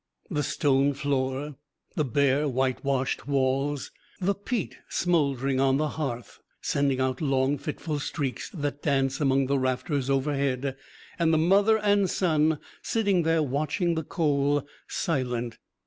The stone floor, the bare, whitewashed walls, the peat smoldering on the hearth, sending out long, fitful streaks that dance among the rafters overhead, and the mother and son sitting there watching the coal silent.